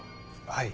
はい。